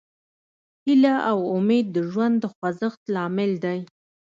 هیله او امید د ژوند د خوځښت لامل دی.